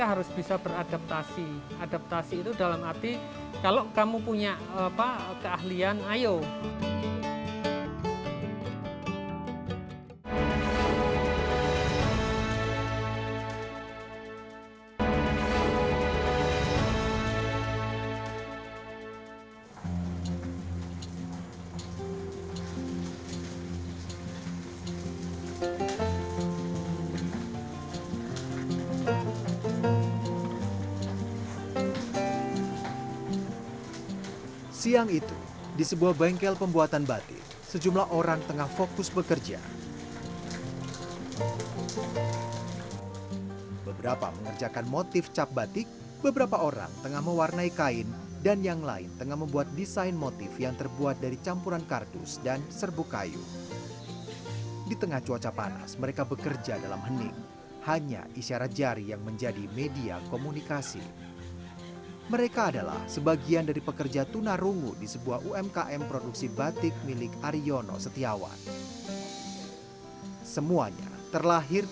apapun kalau di sini kita mengajari mereka bahwa konsekuensinya